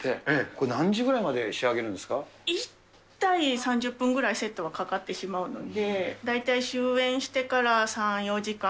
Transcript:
これ、何時ぐらいまでに仕上１体、３０分ぐらいセットがかかってしまうので、大体終演してから３、４時間。